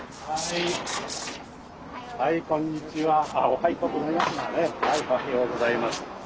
おはようございます。